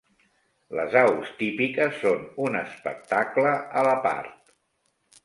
Les aus típiques són un espectacle a la part.